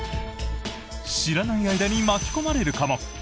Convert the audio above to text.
知らない間に巻き込まれるかも？